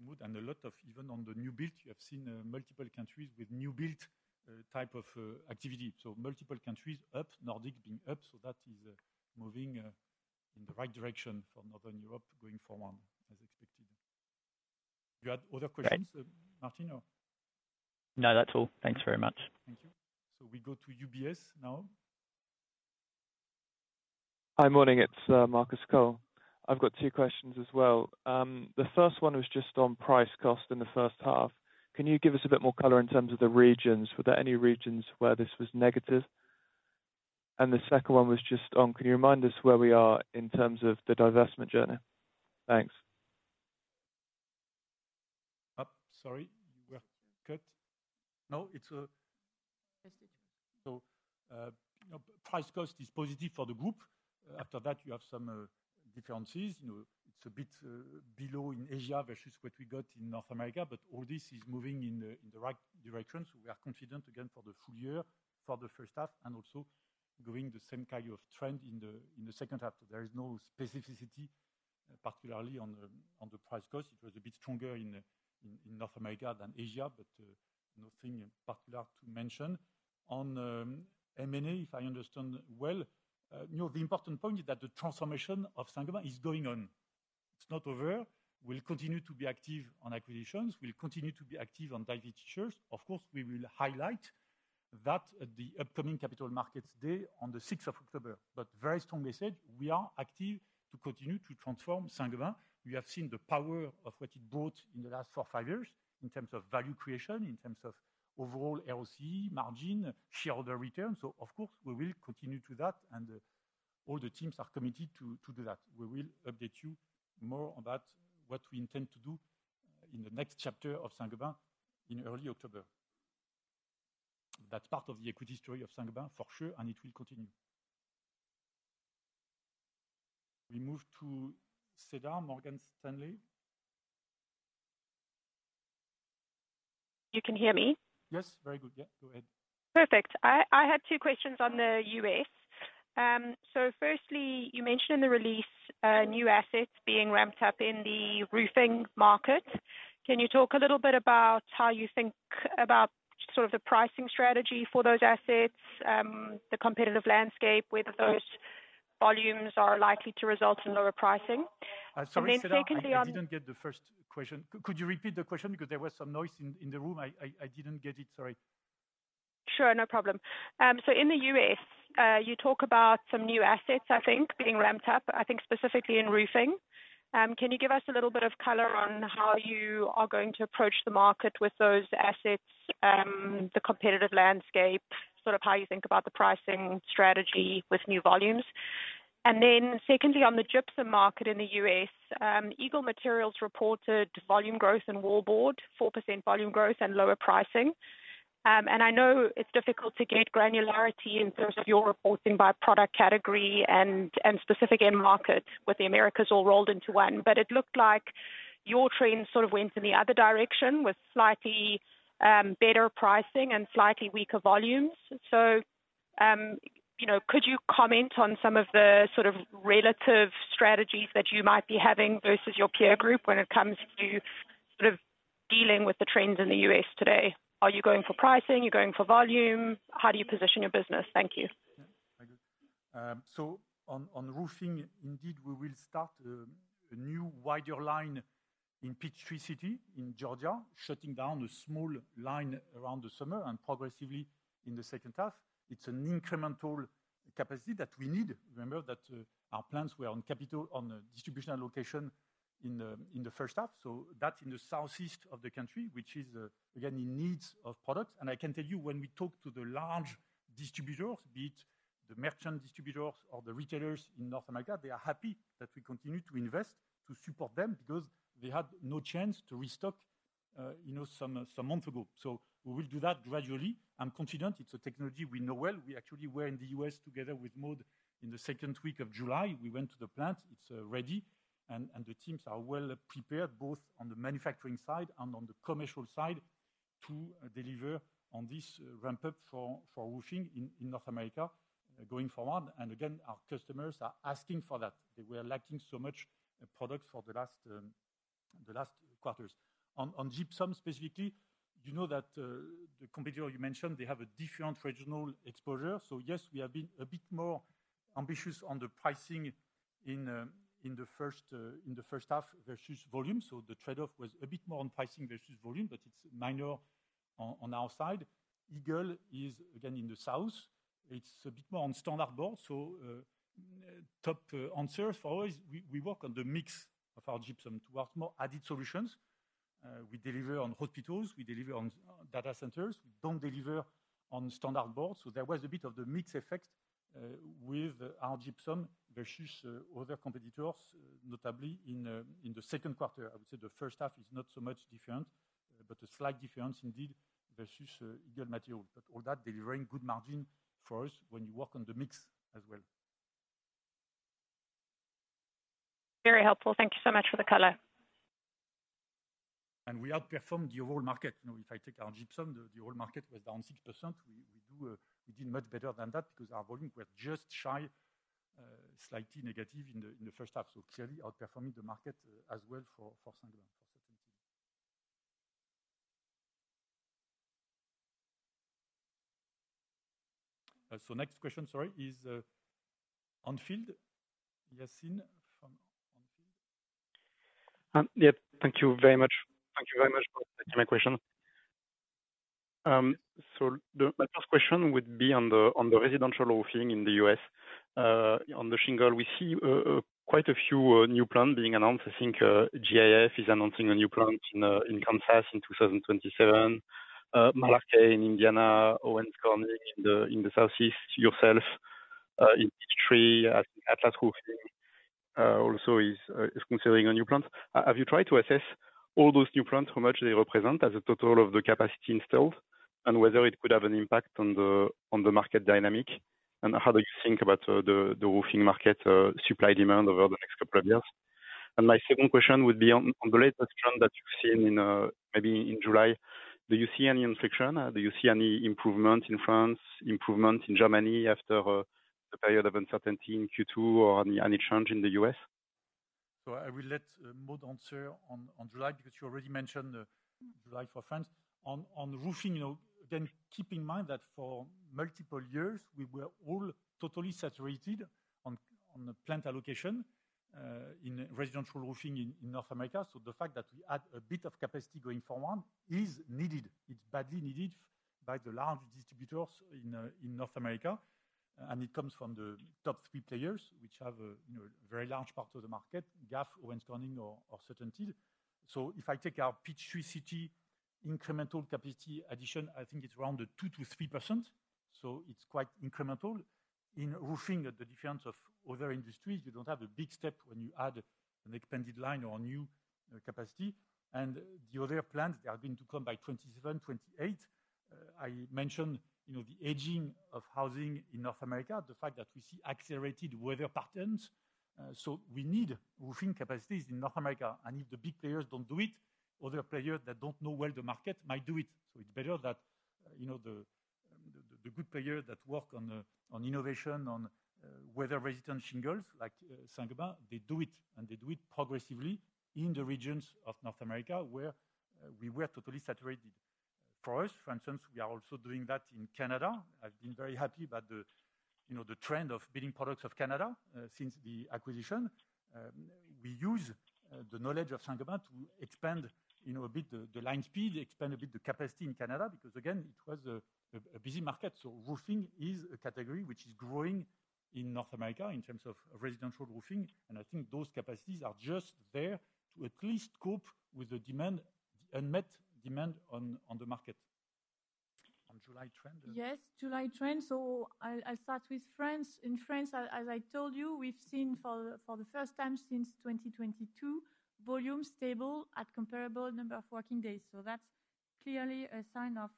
S1: lot of even on the new build, you have seen multiple countries with new build type of activity. Multiple countries up, Nordic being up. That is moving in the right direction for Northern Europe going forward as expected. You had other questions, Martin?
S5: No, that's all. Thanks very much.
S1: Thank you. We go to UBS now.
S6: Hi, morning, it's Marcus Cole. I've got two questions as well. The first one was just on price-cost in the first half. Can you give us a bit more color in terms of the regions? Were there any regions where this was negative? The second one was just on, can you remind us where we are in terms of the divestment journey? Thanks.
S1: Sorry, you were cut? No, it's a price-cost is positive for the group. After that you have some differences. It's a bit below in Asia-Pacific versus what we got in North America. All this is moving in the right direction. We are confident again for the full year, for the first half and also going the same kind of trend in the second half. There is no specificity, particularly on the price-cost. It was a bit stronger in North America than Asia, but nothing particular to mention on M&A. If I understand, the important point is that the transformation of Saint-Gobain is going on. It's not over. Will continue to be active on acquisitions. We'll continue to be active on share buybacks. Of course, we will highlight that at the upcoming Capital Markets Day on the 6th of October. Very strong message. We are active to continue to transform Saint-Gobain. We have seen the power of what it brought in the last four-five years in terms of value creation, in terms of overall ROCE, margin, shareholder return. Of course, we will continue to do that and all the teams are committed to do that. We will update you more about what we intend to do in the next chapter of Saint-Gobain in early October. That's part of the equity story of Saint-Gobain for sure. It will continue. We move to Cedric at Morgan Stanley.
S7: Can you hear me?
S1: Yes, very good. Yeah, go ahead.
S7: Perfect. I had two questions on the U.S. Firstly, you mentioned in the release new assets being ramped up in the roofing market. Can you talk a little bit about how you think about sort of the pricing strategy for those assets, the competitive landscape, whether those volumes are likely to result in lower pricing?
S1: Could you repeat the question? Because there was some noise in the room. I didn't get it. Sorry.
S7: Sure, no problem. In the U.S. you talk about some new assets, I think being ramped up. I think specifically in roofing. Can you give us a little bit of color on how you are going to approach the market with those assets, the competitive landscape, sort of how you think about the pricing strategy with new volumes? Secondly, on the gypsum market in the U.S., Eagle Materials reported volume growth in wallboard, 4% volume growth and lower pricing. I know it's difficult to get granularity in terms of your reporting by product category and specific end market with the Americas all rolled into one, but it looked like your trend sort of went in the other direction with slightly better pricing and slightly weaker volumes. Could you comment on some of the sort of relative strategies that you might be having versus your peer group when it comes to dealing with the trends in the U.S. today? Are you going for pricing, you're going for volume? How do you position your business? Thank you.
S1: On roofing indeed, we will start a new wider line in Peachtree City in Georgia, shutting down a small line around the summer and progressively in the second half. It's an incremental capacity that we need. Remember that our plants were on capital on distribution allocation in the first half. That's in the southeast of the country, which is again in need of products. I can tell you when we talk to the large distributors, be it the merchant distributors or the retailers in North America, they are happy that we continue to invest to support them because they had no chance to restock some months ago. We will do that gradually, I'm confident. It's a technology we know well. We actually were in the U.S. together with Maud in the second week of July. We went to the plant, it's ready and the teams are well prepared both on the manufacturing side and on the commercial side to deliver on this ramp-up for roofing in North America going forward. Our customers are asking for that. They were lacking so much product for the last quarters on gypsum specifically, you know that the competitor you mentioned, they have a different regional exposure. Yes, we have been a bit more ambitious on the pricing in the first half versus volume. The trade off was a bit more on pricing versus volume, but it's minor on our side. Eagle is again in the south, it's a bit more on standard board. Top answer for us, we work on the mix of our gypsum towards more added solutions. We deliver on hospitals, we deliver on data centers, we don't deliver on standard boards. There was a bit of the mix effect with our gypsum versus other competitors, notably in the second quarter. I would say the first half is not so much different, but a slight difference indeed versus Eagle Material. All that delivering good margin for us when you work on the mix as well.
S7: Very helpful. Thank you so much for the color.
S1: We outperformed the overall market. If I take our gypsum, the whole market was down 6%. We did much better than that because our volume were just shy, slightly negative in the first half. Clearly outperforming the market as well for Saint-Gobain for certainty. Next question, sorry, is on field. Yassin.
S8: Thank you very much. Thank you very much for my question. My first question would be on the residential roofing in the U.S. on the shingle. We see quite a few new plants being announced. I think GAF is announcing a new plant in Kansas in 2027, Malarkey in Indiana, Owens Corning in the Southeast, yourself in each, and Atlas Roofing also is considering a new plant. Have you tried to assess all those new plants, how much they represent as a total of the capacity installed, and whether it could have an impact on the market dynamic? How do you think about the roofing market supply demand over the next couple of years? My second question would be on the latest trend that you've seen maybe in July. Do you see any inflection? Do you see any improvement in France, improvement in Germany after the period of uncertainty in Q2, or any change in the U.S.?
S1: I will let Maud answer on July because you already mentioned July for France on roofing. Keep in mind that for multiple years we were all totally saturated on plant allocation in residential roofing in North America. The fact that we add a bit of capacity going forward is needed. It's badly needed by the large distributors in North America and it comes from the top three players which have a very large part of the market, GAF or Owens Corning or CertainTeed. If I take our Peachtree City incremental capacity addition, I think it's around 2-3%. It's quite incremental in roofing. The difference of other industries is you don't have a big step when you add an expanded line or new capacity, and the other plants are going to come by 2027-2028. I mentioned the aging of housing in North America, the fact that we see accelerated weather patterns. We need roofing capacities in North America. If the big players don't do it, other players that don't know well the market might do it. It's better that the good players that work on innovation on weather-resistant shingles do it, and they do it progressively in the regions of North America where we were totally saturated. For us, for instance, we are also doing that in Canada. I've been very happy about the trend of bidding products of Canada since the acquisition. We use the knowledge of Saint-Gobain to expand a bit the line speed, expand a bit the capacity in Canada because it was a busy market. Roofing is a category which is growing in North America in terms of residential roofing. I think those capacities are just there to at least cope with the demand, unmet demand on the market on July trend.
S2: Yes, July trend. I'll start with France. In France, as I told you, we've seen for the first time since 2022, volume stable at comparable number of working days. That's clearly a sign of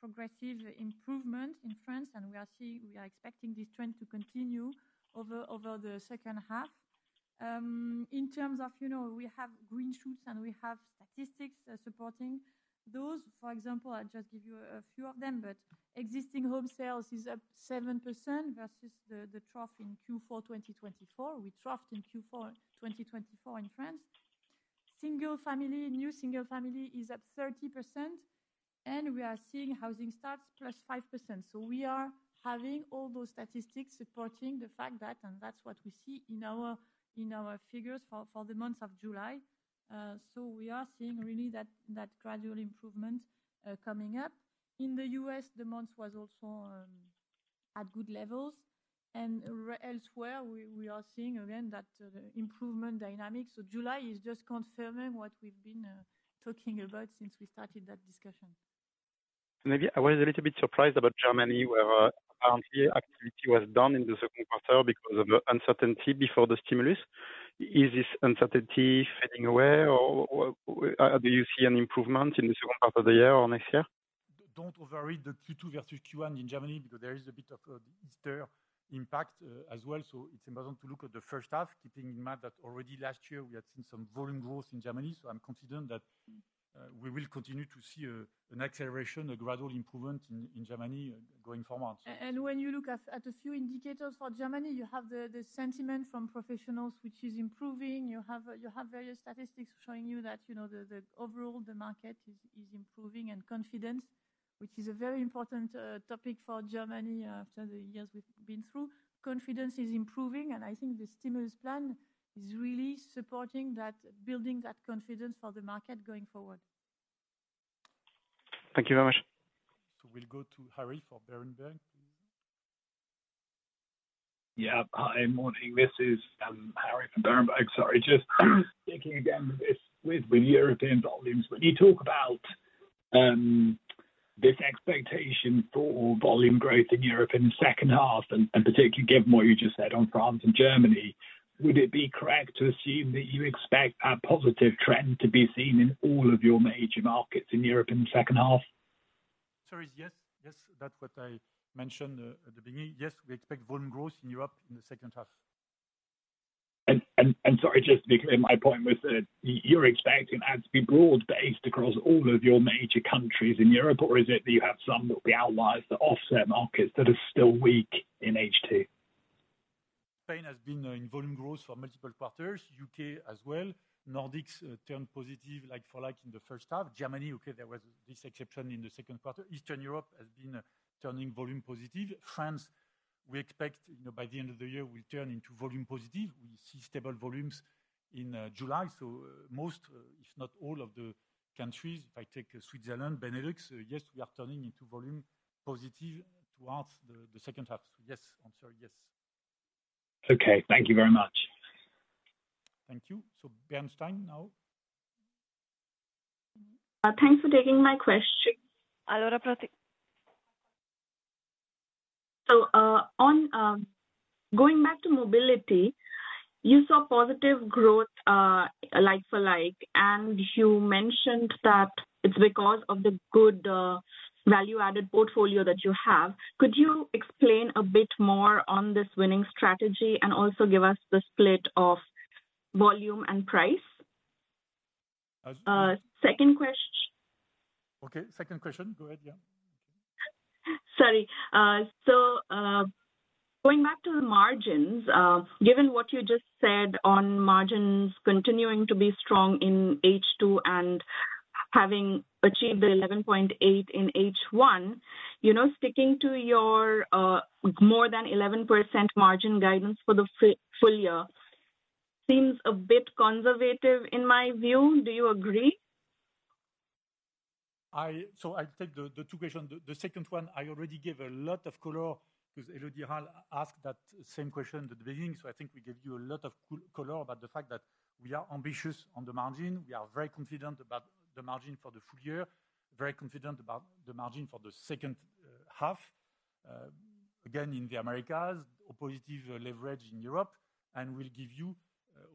S2: progressive improvement in France. We are expecting this trend to continue over the second half in terms of, you know, we have green shoots and we have statistics supporting those. For example, I just give you a few of them, but existing home sales is up 7% versus the trough in Q4 2024. We troughed in Q4 2024 in France, new single family is up 30% and we are seeing housing starts plus 5%. We are having all those statistics supporting the fact that. That's what we see in our figures for the month of July. We are seeing really that gradual improvement coming up. In the U.S. The month was also at good levels and elsewhere we are seeing again that improvement dynamics. July is just confirming what we've been talking about since we started that discussion.
S8: Maybe I was a little bit surprised about Germany, where activity was down in the second quarter because of uncertainty before the stimulus. Is this uncertainty fading away, or do you see an improvement in the second half of the year or next year?
S1: Don't override the Q2 versus Q1 in Germany because there is a bit of Easter impact as well. It's important to look at the first half. Keep it in mind that already last year we had seen some volume growth in Germany. I'm confident that we will continue to see an acceleration, a gradual improvement in Germany going forward.
S2: When you look at a few indicators for Germany, you have the sentiment from professionals, which is improving. You have various statistics showing you that overall the market is improving, and confidence, which is a very important topic for Germany after the years we've been through, is improving. I think the stimulus plan is really supporting that, building that confidence for the market going forward.
S8: Thank you very much.
S1: We'll go to Harry for Berenberg.
S9: Hi, morning, this is Harry from Berenberg. Sorry, just speaking again with European volumes. When you talk about this expectation for volume growth in Europe in the second half, and particularly given what you just said on France and Germany, would it be correct to assume that you expect a positive trend to be seen in all of your major markets in Europe in the second half?
S1: Yes, yes, that's what I mentioned at the beginning. Yes, we expect volume growth in Europe in the second half.
S9: Sorry, just because my point was that you're expecting ads to be broad-based across all of your major countries in Europe, or is it that you have some that are the outliers that offset markets that are still weak in that?
S1: Spain has been in volume growth for multiple quarters. U.K. as well. Nordics turned positive like-for-like in the first half. Germany, okay, there was this exception in the second quarter. Eastern Europe has been turning volume positive. France, we expect, you know, by the end of the year will turn into volume positive. We see stable volumes in July. Most, if not all, of the countries, if I take Switzerland, Benelux, yes, we are turning into volume positive towards the second half. Yes, answer yes.
S9: Okay, thank you very much.
S1: Thank you. Bernstein, now.
S10: Thanks for taking my question. On going back to Mobility, you saw positive growth like for like and you mentioned that because of the good value-added portfolio that you have. Could you explain a bit more on this winning strategy and also give us the split of volume and price? Second question.
S1: Okay, second question, go ahead.
S10: Sorry. Going back to the margins, given what you just said on margins continuing to be strong in H2 and having achieved the 11.8% in H1, sticking to your more than 11% margin guidance for the full year seems a bit conservative in my view. Do you agree?
S1: I take the two questions. The second one I already gave a lot of color because Elodie Hal asked that same question at the beginning. I think we gave you a lot of color about the fact that we are ambitious on the margin. We are very confident about the margin for the full year, very confident about the margin for the second half again in the Americas, opposite leverage in Europe, and will give you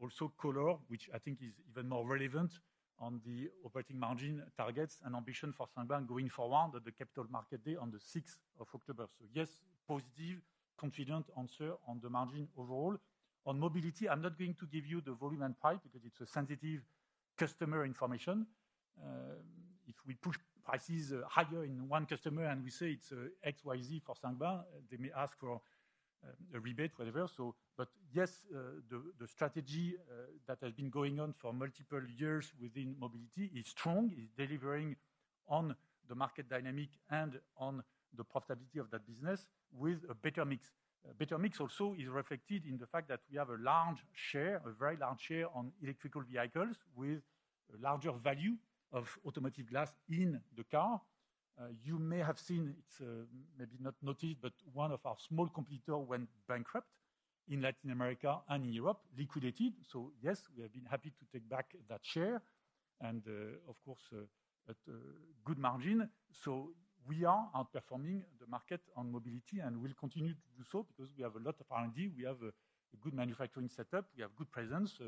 S1: also color which I think is even more relevant on the operating margin targets and ambition for Saint-Gobain going forward at the Capital Markets Day on the 6th of October. Yes, positive, confident answer on the margin overall. On mobility, I'm not going to give you the volume and price because it's sensitive customer information. If we push prices higher in one customer and we say it's XYZ for Saint-Gobain, they may ask for a rebate, whatever. Yes, the strategy that has been going on for multiple years within Mobility is strong, is delivering on the market dynamic and on the profitability of that business with a better mix. Better mix also is reflected in the fact that we have a large share, a very large share on electrical vehicles with a larger value of automotive glass in the car. You may have seen, it's maybe not noticed, but one of our small competitors went bankrupt in Latin America and in Europe, liquidated. Yes, we have been happy to take back that share and of course, good margin. We are outperforming the market on mobility and we'll continue to do so because we have a lot of R&D, we have a good manufacturing setup, we have good presence.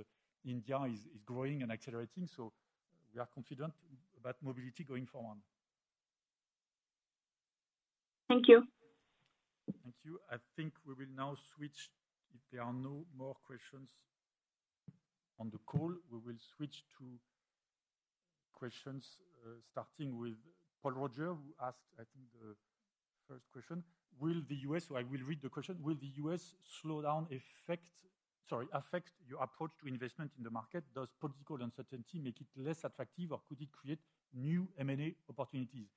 S1: India is growing and accelerating. We are confident about mobility going forward.
S10: Thank you.
S1: Thank you. I think we will now switch. If there are no more questions on the call, we will switch to questions starting with Paul Roger, who asked. I think the first question, will the U.S. slow down affect, sorry, affect your approach to investment in the market. Does political uncertainty make it less attractive or could it create new M&A opportunities?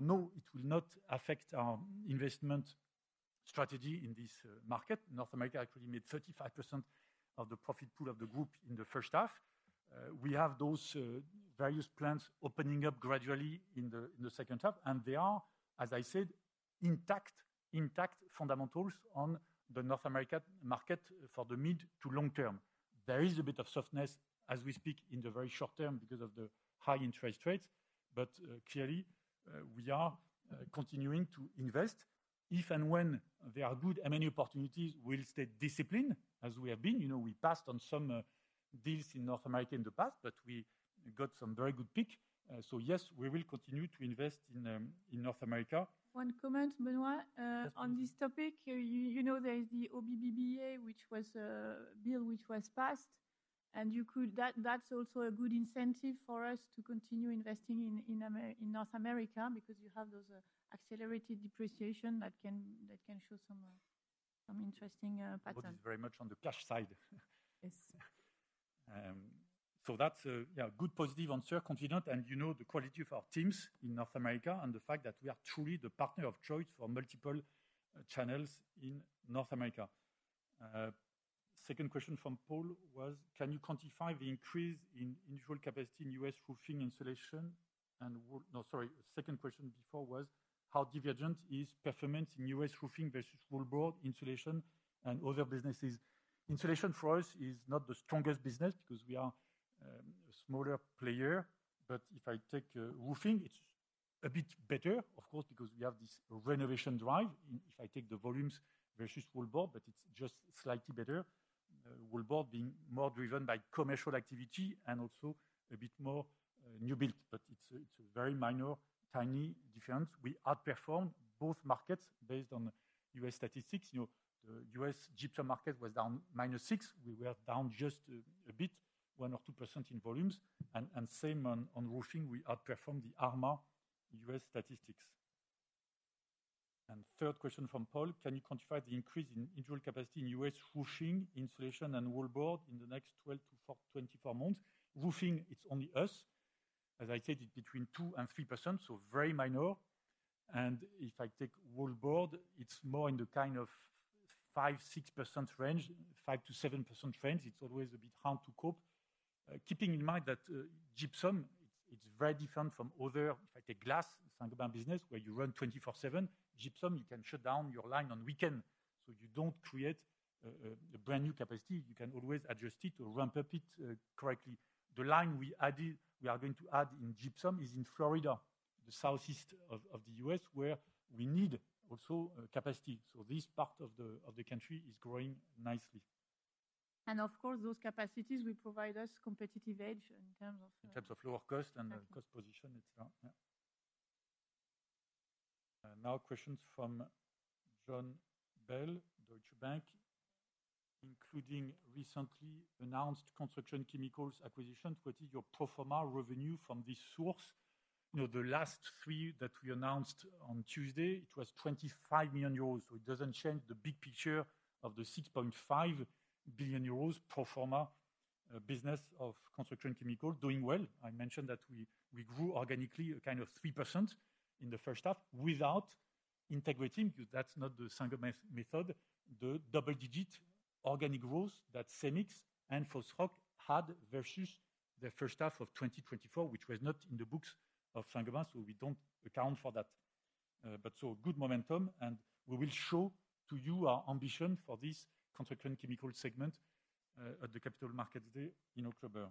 S1: No, it will not affect our investment strategy in this market. North America actually made 35% of the profit pool of the group in the first half. We have those various plants opening up gradually in the second half and they are, as I said, intact fundamentals on the North American market. For the mid to long term, there is a bit of softness as we speak in the very short term because of the high interest rates. Clearly, we are continuing to invest. If and when there are good M&A opportunities, we'll stay disciplined as we have been. You know, we passed on some deals in North America in the past, but we got some very good pick. Yes, we will continue to invest in North America.
S2: One comment, Benoit, on this topic, you know, there is the OBBA, which was a bill which was passed, and that's also a good incentive for us to continue investing in North America because you have those accelerated depreciation that can show. Some interesting patterns
S1: very much on the cash side.
S2: Yes.
S1: That's a good positive answer. Confident. You know, the quality of our teams in North America and the fact that we are truly the partner of choice for multiple channels in North America. Second question from Paul was, can you quantify the increase in individual capacity in U.S. roofing insulation and—no, sorry. Second question before was how divergent is performance in U.S. roofing versus wallboard insulation and other businesses? Insulation for us is not the strongest business because we are a smaller player. If I take roofing, it's a bit better, of course, because we have this renovation drive. If I take the volumes versus wallboard, it's just slightly better. wallboard being more driven by commercial activity and also a bit more new build. It's a very minor tiny difference. We outperformed both markets. Based on U.S. statistics, the U.S. gypsum market was down -6%. We were down just a bit, 1%-2% in volumes. Same on roofing, we outperformed the U.S. statistics. Third question from Paul: can you quantify the increase in interior capacity in U.S. roofing, insulation, and wall board in the next 12-24 months? Roofing, it's only us, as I said, it's between 2-3%, so very minor. If I take wallboard, it's more in the kind of 5%-6% range, 5%-% range. It's always a bit hard to cope. Keeping in mind that gypsum, it's very different from other—if I take glass Saint-Gobain business where you run 24/7, gypsum, you can shut down your line on weekends so you don't create a brand new capacity. You can always adjust it or ramp-up it correctly. The line we are going to add in gypsum is in Florida, the southeast of the U.S., where we need also capacity. This part of the country is growing nicely.
S2: Those capacities will provide us competitive edge in terms of in. *crosstalk*
S1: terms of lower cost and cost position, etc. Now questions from John Bell, Deutsche Bank, including recently announced construction chemicals acquisitions, what is your pro forma revenue from this source? The last three that we announced on Tuesday, it was 24 [million euro]. It doesn't change the big picture of the 6.5 billion euros pro forma business of construction chemicals doing well. I mentioned that we grew organically kind of 3% in the first half without integrating because that's not the Saint-Gobain method. The double-digit organic growth that Cemex and Fosroc had versus the first half of 2024, which was not in the books of Saint-Gobain. We don't account for that. Good momentum. We will show to you our ambition for this construction chemical segment at the Capital Markets Day in October.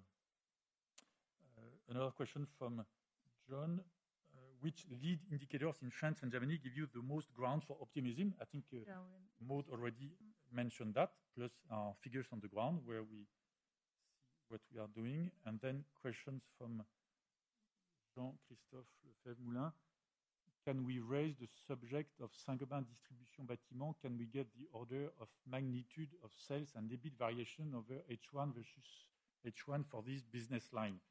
S1: Another question from John. Which lead indicators in France and Germany give you the most ground for optimism? I think Maud already mentioned that, plus our figures on the ground where we see what we are doing. Then questions from Jean-Christophe Lefebvre-Moulin. Can we raise the subject of Saint-Gobain Distribution [Bâtiment] France? Can we get the order of magnitude of sales and EBIT variation over H1 versus H1 for this business line?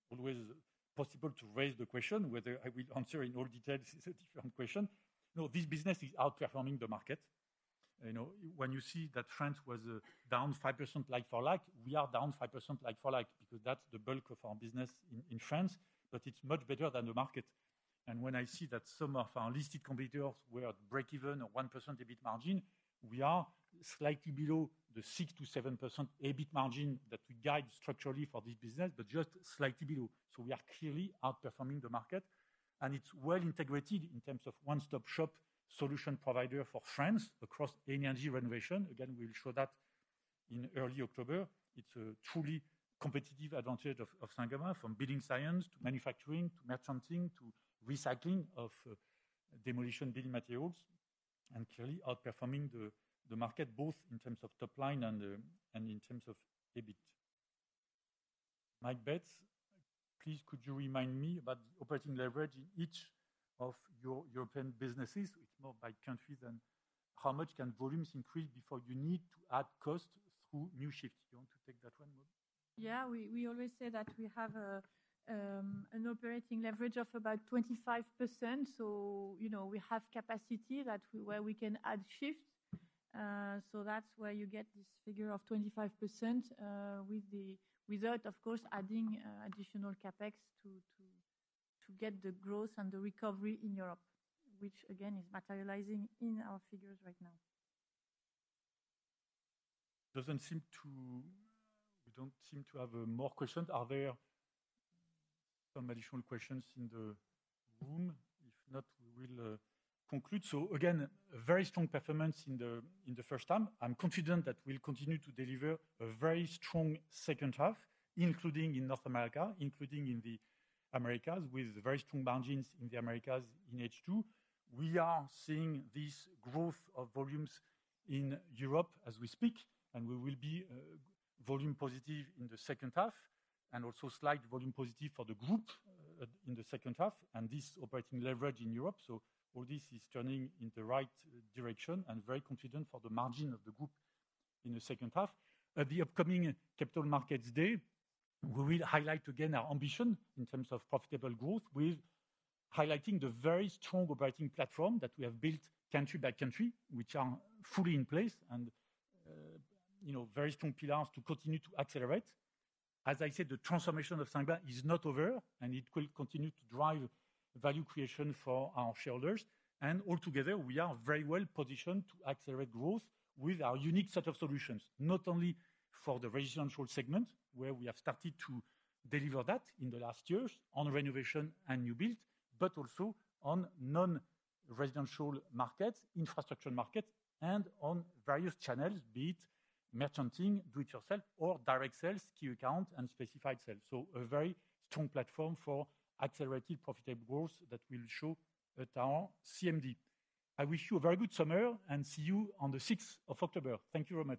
S1: It's always possible to raise the question whether I will answer in all details. It's a different question. This business is outperforming the market. When you see that France was down 5% like for like, we are down 5% like for like because that's the bulk of our business in France, but it's much better than the market. When I see that some of our listed competitors were at break-even 1% EBIT margin, we are slightly below the 6%-7% EBIT margin that we guide structurally for this business, but just slightly below. We are clearly outperforming the market and it's well integrated in terms of one-stop shop solution provider for France. Across energy renovation again, we will show that in early October. It's a truly competitive advantage of Saint-Gobain from building science to manufacturing to merchanting to recycling of demolition building materials and clearly outperforming the market both in terms of top line and in terms of EBIT. [Mike Betts], please could you remind me that operating leverage in each of your European businesses, it's more by country than how much can volumes increase before you need to add cost through new shift? You want to take that one?
S2: Yeah, we always say that we have an operating leverage of about 25%, so we have capacity where we can add shift. That's where you get this figure of 25%, without, of course, adding additional CapEx to get the growth and the recovery in Europe, which again is materializing in our figures right now.
S1: Doesn't seem to. We don't seem to have more questions. Are there some additional questions in the room? If not, we will conclude. Again, very strong performance in the first half. I'm confident that we'll continue to deliver a very strong second half, including in North America, including in the Americas, with very strong margins in the Americas. In H2 we are seeing this growth of volumes in Europe as we speak and we will be volume positive in the second half and also slight volume positive for the group in the second half and this operating leverage in Europe. All this is turning in the right direction and very confident for the margin of the group in the second half. At the upcoming Capital Markets Day, we will highlight again our ambition in terms of profitable growth with highlighting the very strong operating platform that we have built country by country, which are fully in place and very strong pillars to continue to accelerate. As I said, the transformation of Saint-Gobain is not over and it will continue to drive value creation for our shareholders. Altogether we are very well positioned to accelerate growth with our unique set of solutions not only for the residential segment where we have started to deliver that in the last years on renovation and new build, but also on non-residential markets, infrastructure markets and on various channels, be it merchanting, do it yourself or direct sales, SKU account and specify itself. A very strong platform for accelerated profitable growth that will show at our Capital Markets Day. I wish you a very good summer and see you on the 6th of October. Thank you very much.